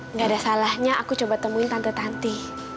nggak ada salahnya aku coba temuin tante tante